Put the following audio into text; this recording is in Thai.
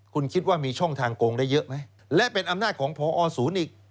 คุณคิดว่ามีช่องทางโกงได้เยอะไหมและเป็นอำนาจของพอศูนย์อีก